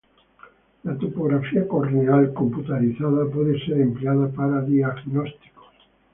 La topografía corneal computarizada puede ser empleada para diagnósticos.